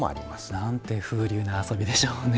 なんて風流な遊びでしょう。